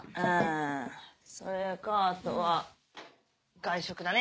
んそれかあとは外食だね。